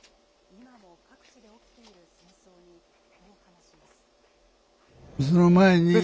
今も各地で起きている戦争に、こう話します。